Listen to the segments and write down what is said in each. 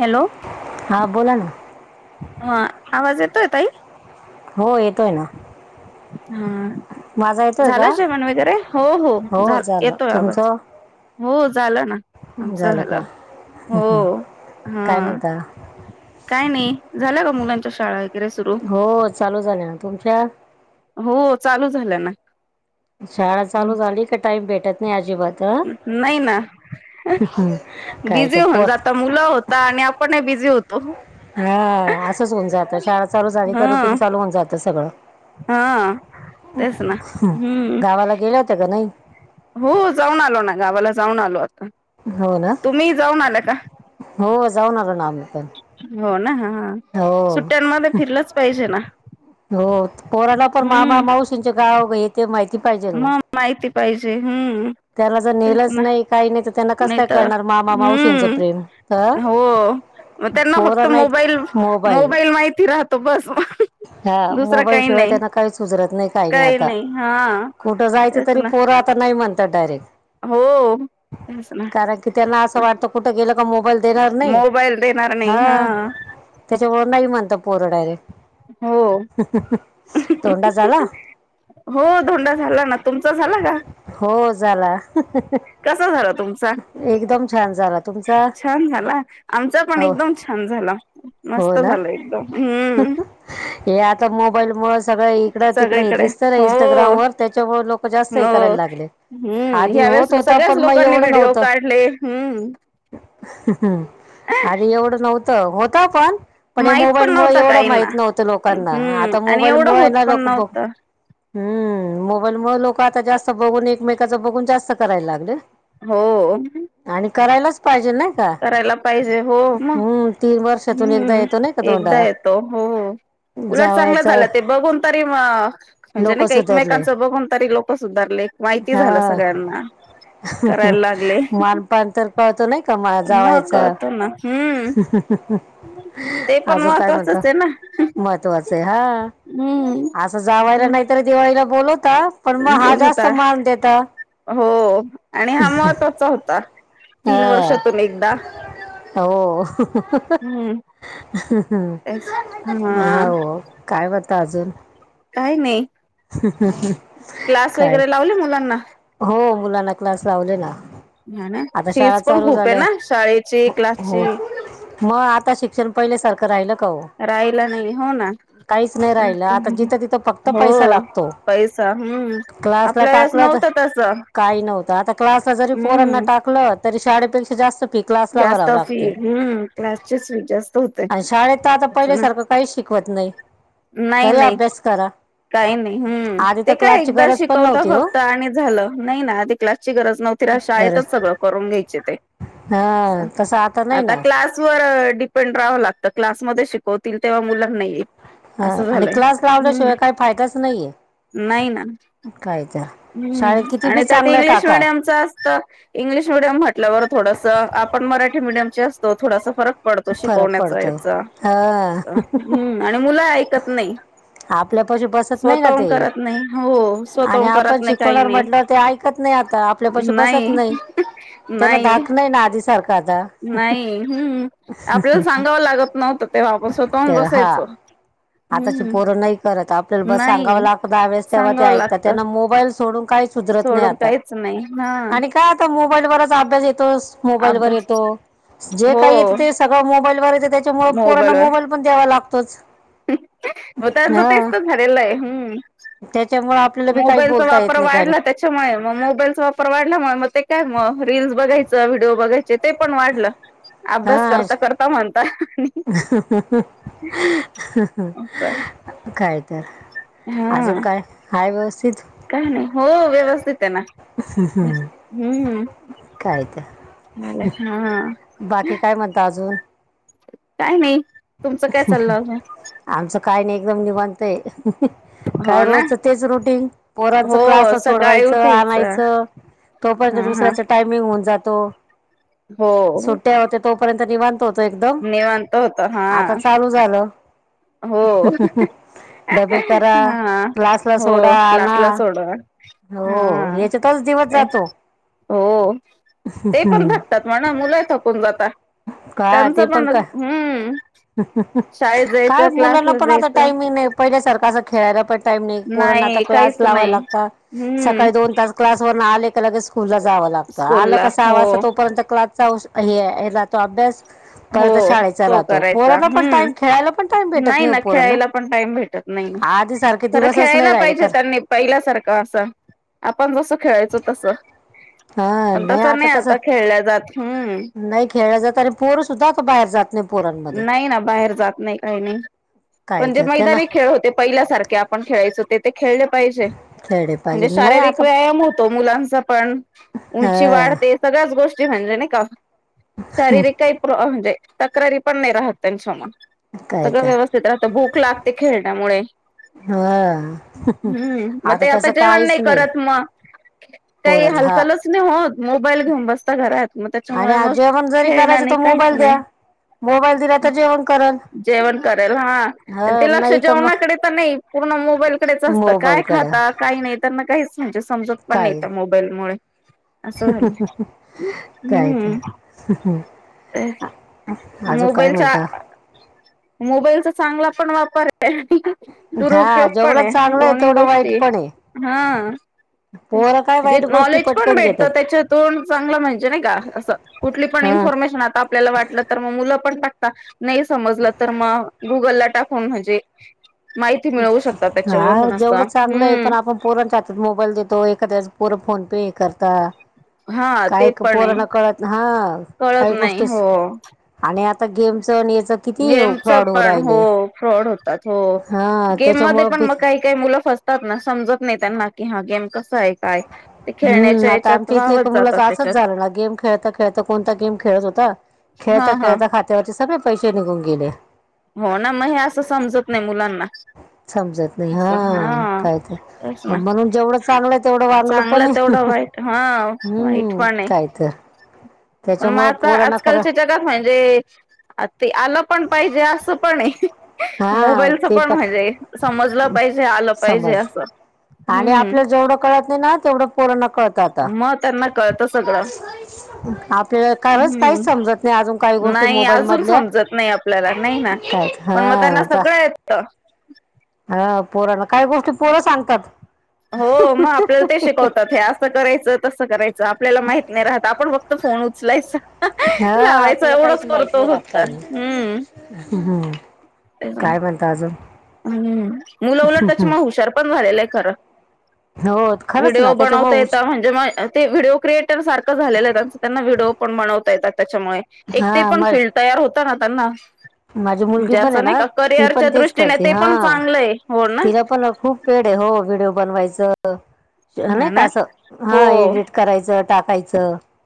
Hello! हा बोला ना हां आवाज ये [unintelligible] ताई. हो येतोयं ना. हां माझा येतोय का झालं जेवण वगैरे हो हो झालं, येतोय आवाज. हो. झालं ना आमच झालं, हो काय हां म्हणता काय ना ही? झाला का मुलांच्या शाळा वगैरे सुरू? हो चालू झालं ना तुमच्या हो चालू झाल्या ना. शाळा चालू झाली का टाईम भेटत नाही, अजिबात आ नाही ना काय बिझी ते होऊन पोरा जाता मुलं होता आणि आपण बिझी होतो हां असंच होऊन जातं शाळा चालू झाली, का हा रुटीन चालू होऊन जातं सगळं. हा तेच ना हम्म गावाला गेल्या होत्या, का नाही? हो जाऊन आलो, ना गावाला जाऊन आलो. हो ना तुम्ही जाऊन आला का हो जाऊन, आलो आम्ही पण. हो ना हां हां हो सुट्ट्यांमध्ये फिरलंच पाहिजे ना. हो पोराला पण हम्म मामा मावशीच्या गाव ते पाहिजे ना मग माहिती पाहिजे हम्म त्याला जर नेलंच तेचना नाही काही नाही तर त्यांना कसं नाही काय तर करणार मामा मावशींचं प्रेम अ हम्म हो मग त्यांना फक्त पोरांना एक मोबाईल मोबाईल माहिती राहत तो बस हा मोबाईलशिवाय नाही त्यांना काहीच सुधारत नाही काही नाही आता. कुठं जायचं तेच तरी ना पोर आता नाही डायरेक्ट हो तेच ना कारण की त्यांना असं वाटत कुठे गेल मोबाईल देणार नाही मोबाईल देणार नाही हा हं हो नाही म्हणत पोर डायरेव्ट. हो धोंडा झाला हो धोंडा झाला ना तुमचा झाला ग हो झाला कसा झाला त एकदम छान झाला तुमचा छान झाला आमचा पण हो एकदम छान झाला हो मस्त ना झाला एकदम हं इकड तिकडे हे दिसत इंस्टग्रामवर त्याच्यामुळे लोक जास्त हे करायला हो लागले हम्म आधी ह्यावेेळेस होत होता सगळ्याच पण मग लोकांनी ये व्हिडिओ नव्हत काढले हम्म आधी एवढं नव्हतं. तर होत पण पण हे माहित मोबाईल मुळ नव्हता एवढं काहींना माहित नव्हतं लोकांना हम्म आता आणि मोबाईल एवढं मुळ होत ना पण लोक बघु नव्हतं हम् मोबाईलमुळे लोक आता जास्त बघून एकमेकाच बघून जास्त करायला लागले. हो. आणि करायलाच पाहिजे नाही का करायला पाहिजे हो मग हम्म तीन वर्षातून एकदा हम् येतो नाही का एकदा धोंडा येतो हो उलट चांगलं जावयाचा झालं ते बघून तरी म्हणजे लोक नाही का सुधरले एकमेकांच बघून तरी लोक सुधारले माहिती झालं हा सगळ्यांना करायला. लागले मानपान तर पाहतो नाही का मा मग जावयाचा कळतो ना हम्म ते पण अजून काय म्हणता महत्त्वाचंच आहे ना महत्वाचं हा हम्म असं जावायला नाहीतरी दिवाळीला बोल पण मग हा जास्त बोलता मान देता. आता हां हो हम् हम्म तेच हा हो काय ब ताजल काही नाही. क्लास काय वगैरे लावले मुलांना? हो मुलांना क्लास लावले ना. हां ना आता शाळा फीज पण चालू खूप आहे झाल्या ना, शाळेची, क्लासची. ता शिक्षण पहिले सारख राहिलं होय राहायला नाही हो ना काहीच नाही राहिलं आता जिथं तिथं फक्त पैसा हो लागतो पैसा हम्म क्लासला आपल्या वेळेस टाकलं तर नव्हतं तस [unintelligible] [inaudible] क्लासला जरी पोरांना हम्म टाकलं तरी शाळेपेक्षा जास्त फि क्लासला जास्त भराव फी लागते, हम्म क्लासचीच फी जास्त होते आणि शाळेत आता त्याच पहिल्या ना सारखं काहीच शिकवत नाही. घरी अभ्यास करा. हम् आधी तर ते काय क्लासची एकदा गरज पण शिकवता नव्हती हो फक्त आणि झालं नाही ना ती क्लासची गरज नव्हती गरज शाळेतच सगळं करून घ्यायचे ते हां तसं नाही आता ना क्लास वथ डिपेंड रावं लागतं क्लासमध्ये शिकवतील तेव्हा मुल्लानाही हां असं आणि झालंय क्लास लावल्याशिवाय काही फायदाच नाही आहे नाही ना् काय तर शाळेत किती आणि बी त्यात चांगलं इंग्लिश टाका मिडियमच असत इंग्लिश मिडियम म्हटल्यावर थोडस आपण मराठी मिडियम असतो, थोडासा फरक पडतो फरक शिकवण्याचा पडतो याचा् हां आणि मुलं ऐक नाही. आपल्या पाशी बसत नाही ना स्वतःहून ते, करत नाही हो आणि स्वतःहून करत आपण नाही काही शिकवणावर नाही म्हटलं ते ऐकत नाही आता आपल्या पाशी बसत नाही, त्यांना धाक नाही ना आधी सारखा आता नाही हम्म आपल्याला सांगावं लागत नव्हतं, तेव्हा आपण स्वतःहून तेव्हा हा बसायचो. आताची हम्म्. पोरं नाही करत आपल्याला सांगाव लागत तेव्हा ते सांगावं ऐकतात लागतं सोडून काहीच नाही हा आणि काय आता मोबाईलवरच अभ्यास येतो मोबाईल वर अभ्यास येतो जे हो काही येत ते सगळं मोबाईल वरच य त्याच्यामुळे पोरांना मोबाईलवर मोबाईल पण द्यावा लागतो. [unintelligible] [inaudible] [inaudible] [unintelligible] मग त्यांचं तेच तर झालेलं आहे. हम्म त्याच्यामुळे आपल्याला बी काही मोबाईलचा बोलता वापर येत नाही काय नाही वाढला त्याच्यामुळे, मग मोबाईलचा वापर वाढल्यामुळे मग ते काय मग रीलल् बघायचं व्हिडिओ बघायचे ते पण वाढलं अभ्यास करता हा करता म्हणता [unintelligible] काय तर [unintelligible] अजून हा काय हाय व्यवस काय नाही हो व्यवस्थित आहे ना. हम्म. काय तर [unintelligible] हां बाकी काय म्हनता आजून. काय नाही. तुमचं काय चाललं अजून? काही नाही एकदम निवांत आहे. हो काय ना रोजचं तेच रुटीन पोरांचं हो क्लास ला सकाळी सोडवायचं उठायचं आणायचं तोपर्यंत हा हा दुसऱ्याचं टायमिंग होऊन जात. तो. हो सुट्या होते तो पर्यंत निवांत हॊ निवांत होतं. आता चालू झालं. हो डबे करा हा क्लासला हो सोडा आणा क्लासला सोडवा. हो हा याच्यातच दिवस जातो हो ते पण थकतात म्हणा मुलं थकुन जात का त्यांचं ते पण हम्म. शाळेत का? जायचं मुलांना क्लासला पण आता जायचं टाइमिंग नाही पहिल्या सारक आसं खेळायला पण टाईम नई पोरांना आता नाही क्लास काहीच लावायला नाही लागता. हम्म सकाळी दोन तास क्लासवरून आले लगेच स्कूलला जावं लागतं. स्कूल आला ला का सहा हो वाजेता तोपर्यंत क्लासचा ओऊस का हे आये हेला तो अभ्यास. कराचा शाळेचा राहतो. चा पोरांना पण हम्म टाइम खेळायला पण टाइम भेटत नाही हो ना पोरांना खेळायला पण टाइम भेटत नाही. आधी सारखे खर दिवसच नाही खेळायला राहिले पाहिजे खरं त्यांनी पहिल्यासारखं असं आपण जसं खेळायचो तसं. हा पण नाही तसं आता तस खेळल्या जात हम्म नाही खेळलं जात आणि पोर सुद्धा आता बाहेर जात नाहीत. नाही ना बाहेर जात नाही काही नाही काय पण जे तर ते ना मैदानी खेळ होते पहिल्यासारखे आपण खेळायच ते ते खेळले पहिजे खेळले म्हणजे पाहिजे नाही शारीरिक आता व्यायामा होतो मुलांचा पण उंची हा वाढते सगळ्याच गोष् ती भाणं नई का शारीरिक काई प्रॉ म्हणजे तक्रारी पण नाही राहत त्यांच्या मग काय सगळं तर व्यवस्थित राहत भूक लागते खेळण्यामुळे हा हम्म मग ते आता जेवण नाही करत मग काही पोरच हा हालचालच नाही होत मोबाईल घेऊन बसता घरात मग आणि त्याच्यामुळे मग आजी आपण जरी करायच खेळणं नाही तर काहीच मोबाईल नाही द्या मोबाईल दिला तर जेवण करल जेवण कराल हा ह ते लक्ष नाही तर जेवणाकडे मग तर नाही पूर्ण मोबाईलकडेच असतं मोबाईल काय कडे खाता काही नाही त्यांना काही [unintelligible] समजत पण नाही मोबाईलमुळे असं झालं ह्ह्ह्ह कायत मोबाईलचा- म्हणता मोबाईलचा चांगला पण वापर- ह्ह्ह म्हणजे हा दुरुपयोग पण जेवढं आहे चांगलं दोन्ही तेवढं वाईट गोष्टी य पण आहे ह पोरं काय मन्जे वाईट गोष्टी नॉलेज पण पटकन घेतात भेटत त्याच्यातून चांगलं म्हणजे नाही का असं कुठली पण हा इन्फॉर्मेशन आता आपल्याला वाटलं तर मग मुल पण टाक नाही समजला तर मग गुगल ला टाकून म्हणजे- माहिती मिळवू शकता हा त्याच्यावरून असं जेवढं चांगलंय हम्म पण आपण पोरांच्या हातात मोबाईल देतो एखाद्यास पोर- फोन पे करता हा ते काय का पण आहे पोरण कळत हा कळत काही नाही गोष्टीच हो आणि आता गेमचं आणि याचं किती गेमच फ्रॉड होऊ पण हो राहिले फ्रॉड होतात हो हा गेम मध्ये त्याच्यामुळं पण बी मग काही काही मुलं फसतात ना समजत नाही त्यांना क हग गेम - हम्म आता याच्यात आमच्या इथल्या वाहवत एका मुलाच जातात असच त्याच्यात झालं ना गेम खेळता खेळता कोणता गेम खेळत होता- खेळ ता हा हा खेळता खात्यात ते सगळे पैसे निघून गेले हो ना म हे असं समजत नाही मुलांना समजत नाही हा कायत तेच ना म्हणून जेवढं चांगलं आहे तेवढं वांगल पण चांगलं आहे तेवढं वाईट हा वाईट हम्म पण आहे काय तर पण मग त्याच्यामुळं आता पोरांना खरं आजकालच्या जगात म्हणजे ते आलं पण पाहिजे असं पण अये हा मोबाईलच ते पण म्हहिजे समजलं पाहिजे आलं पाहिजे समज असं हम्म तेवढ पोरांना- कळत आता मग त्यांना कळत सगळं आपल्याला काच हम्म काहीच समजत नाही अजून काही गोष्टी नाही मोबाईल अजून मधल्या काय झा- पग मग त्यांना सगळं येत ह ह पोरण काय गोष्टी पोर सांगतात हो मग आपल्याला ते शिकवतात हे असं करायचं तसं करायचं आपल्याला माहित नाही रहात आपण फोन उचलायच हा आपल्याला काहीच माहित नाही राहत फक्त का हम्म हम् काय म्हणत अजून ह मुलं उलट त्याच्या म हुशार पण झालेलं आहे खरं हो खरंच व्हिडिओ ना त्याच्यामुळे बनवता येत उच म्हणजे म ते व्हिडिओ क्रिएटर सारखं झालेलं आहे त्यांच व्हडिओ पण बनवता येतात त्याच्यामुळे एक ते हा पण माझ फील्ड तयार होत ना त्यांना माझी मुलगी म्हणजे पण आहे असं नाही ना का ती करिअरच्या पण तेच दृष्टीने ते हा पण चांगलंय हो ना तिला पण खूप पेड आहे हो व्हिडिओ बनवायचं हा नाही का ना असं हो हा एडिट करायचं [unintelligible]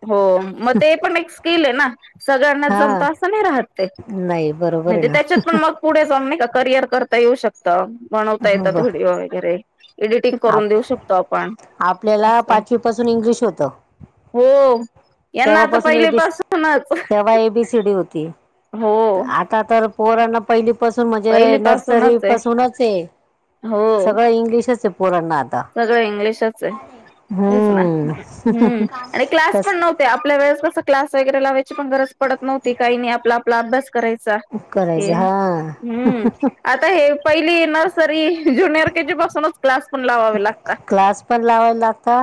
हो मग ते पण एक स्किल आहे ना सगळ्यांना हा जमत असं नाही राहत ते नाही बरोबर आहे म्हणजे त्याच्यात ना पण मग पुढे जम नाही का करियर करत आता येऊ शकत बनवता येतात बर व्हिडिओ वगैरे एडिटिंग करून आप देऊ शकतो आपण आपल्याला असं पाचवीपासून इंग्लिश होतं हो यांना आता तेव्हापासून एबी पहिलेपासूनच तेव्हा एबीसीडी होती हो आता तर पोराना पहिली पासून म्हणजे नर्सरी पहिलीपासूनच आहे पासूनच आहे हो सगळं इंग्लिशच आहे पोरांना आता सगळं इंग्लिशच आहे तेच ना हम्म आणि क्लास कस पण नव्हते आपल्या वेळेस क्लास वगैरे लावायची पण गरज पडत नव्हती काही नाही आपला अभ्यास करायचा करायच हे हा हम्म आता हे पहिली नर्सरी ज्युनिअर केजी पासूनच क्लास पण लावावे लागता क्लास पण लावायला लागता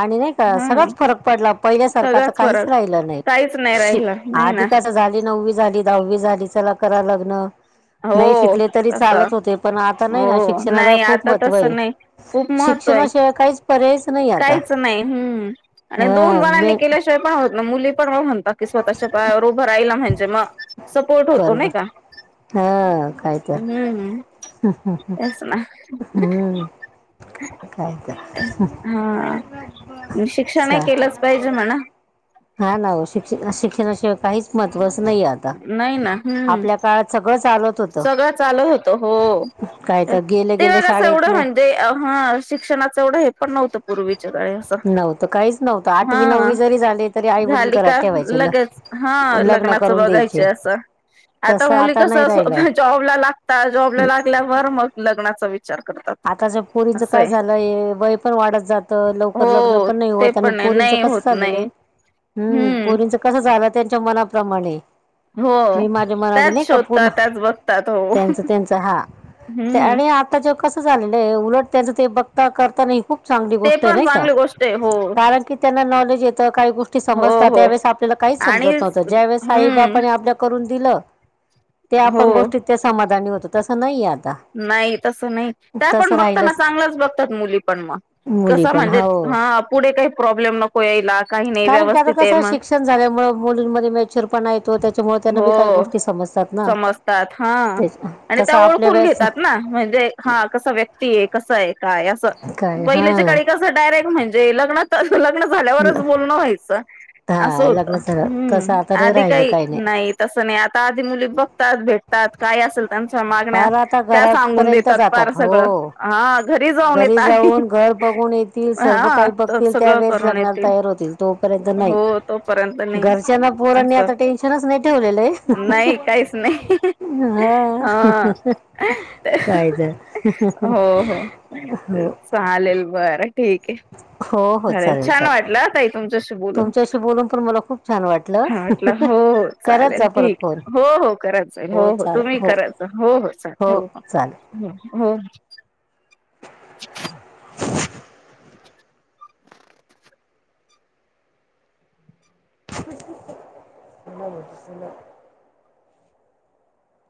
आणि नाही का हा सगळच फरक पडला पहिल्यासारखाता सगळाच काहीच फरक राहिलं काहीच नाही राहिलं नाही ना आधी झाली नववी झाली दहावी झाली चला करा लग्न नाही हो शिकले तरी तस चालत होते पण आता नाही हो ना शिक्षणाला नाही खूप आता महत्त्व आहे तसं नाही खूप महत्त्व आहे शिक्षणाशिवाय काहीच पर्यायच नाही आता काहीच नाही हम्म आणि दोन हा जणांनी मेन केल्याशिवाय पण होत न मुले. [unintelligible] म्हणतात कि स्वतःच्या पायावर उभं राहिला म्हणजे मग सपोर्ट होतो बरोबर नाही का हा काय तर हम् तेच ना. हम्म काय तर हा शिक्षण ही चा केलंच पाहिजे म्हणा. हा ना शिक्षण शिक्षणाशिवाय काहीच [unintelligible] आता नाही ना हम् आपल्या काळात सगळं चालत होतं सगळं चालत होत हो काय तर गेले तेव्हा गेले कस शाळेत एवढं नाही म्हणजे ह शिक्षणाच एवढं हे पण नव्हतं पूर्वी. नव्हतं काहीच नव्हतं आठवी हा नववी जरी झाली तरी आई वडील झाली घरात ठेवायचे लग्न करं. बघायची असं आता मुली कस नाही राहिलं स्वतः जॉबला लागतात जॉबला लागल्यावर मग लग्नाचा विचार. करतात आताच्या पोरींच काय असंय झालंय वय पण वाढत जात, लवकर लग्न हो पण नाही ते होत आणि पण आहे पोरींच नाही होत कसं नाही चाललेलं हम्म पोरींच कसं झालं. त्यांच्या मनाप्रमाणे. हो मी माझ्या मनाने नाही त्याच का [unintelligible] शोधतात त्याच बघतात हो त्यांचा त्यांचा हा हम्म आणि ते आताच्या. कसं झालेलं आहे उलट त्याचं ते बघता करता नाही खूप. चांगली ते गोष्ट आहे पण नाही का चांगली गोष्ट आहे हो कारण कीं त्यांना नॉलेज. येतं काही गोष्टी हो समजतात हो त्यावेेळेस आपल्याला काहीच आणि समजत नव्हतं ज्यावेळेस हम्म साईबाबांनी आपल्या करून दिलं. त्या हो आपण गोष्टीत त्या समाधानी होतो. तर तसं नाही. [unintelligible] नाही तसं नाही. त्या तसं पण बघताना राहिलंच चांगल्याच बघतात मुली पण मगं मुली कसं पण म्हणजे हो हां पुढे काही. प्रॉब्लेम नको. यायला काही नाही कारण कारण व्यवस्थित आहे कसं मग शिक्षण झाल्यामुळे मुलींमध्ये मेच्युरपणा येतो. त्याच्यामुळे त्यांना हो बी काही गोष्टी समजतात ना समजतातं हा ते आणि त्या तसं आपल्या ओळखून वेळेस घेतात ना म्हणजे, हा कसं व्यक्ती आहे कसं आहे काय असं काय पहिल्याच्या हां काळी कसं डायरेक्ट म्हणजे लग्नात. ल- झाल्यावरच बोलणं व्हायचं. असं हा होत, लग्न झालं हम्म तसं आता नाही आधी राहिलं काही. नाही तसं नाही आता आधी मुली बघतात भेटतात. कायं असेल त्यांच्या मागण्या फार आता त्या सांगून घरापर्यंत देतात फार जातात हो सगळं हा. जाऊन येत घरी आधी जाऊन, घर बघून येतील, सर्व हा काही तर बघतील त्या सगळं वेळेस करून लग्नाला येतील तयार होतील. तोपर्यंत नाही. हो तोपर्यंत नाही घरच्यांना पोरांनी असं आता टेन् [unintelligible] नाही ठेवलेलं आहे नाही काहीच नाही हा कायचं. चालेलं बरं. ठीक आहे, हो हो चालेलं, चालेल छान चालेल वाटलं ताई तुमच्याशी बोलून तुमच्याशी बोलून पण मला खूप छान वाटलं. छान वाटलं हो हो करत चालेल जा ठीक, परत फोन हो हो करा चालेल, हो हो तुम्ही कराच, हो हो चालेल, हो हो. हो हो. [inaudible] [inaudible]